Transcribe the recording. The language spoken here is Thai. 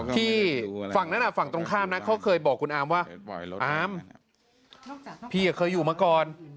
ที่ฝั่งนั้นฝั่งตรงข้ามนะเขาเคยบอกคุณอามว่าอามพี่เคยอยู่มาก่อน